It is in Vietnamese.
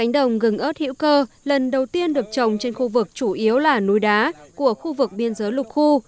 cánh đồng gừng ớt hữu cơ lần đầu tiên được trồng trên khu vực chủ yếu là núi đá của khu vực biên giới lục khu